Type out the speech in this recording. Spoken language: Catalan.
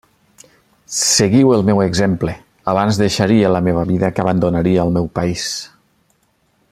Seguiu el meu exemple: abans deixaria la meva vida que abandonaria el meu país.